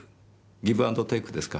ギブアンドテークですか？